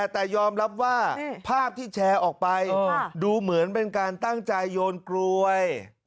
แต่ยอมรับว่าภาพที่แชร์ออกไปดูเหมือนเป็นการตั้งใจโยนกลวย